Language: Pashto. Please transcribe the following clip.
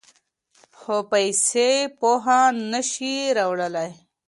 خو پیسې پوهه نه شي راوړلی.